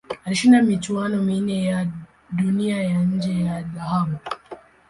Alishinda michuano minne ya Dunia ya nje ya dhahabu.